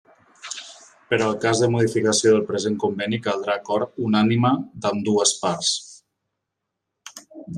Per al cas de modificació del present conveni, caldrà acord unànime d'ambdues parts.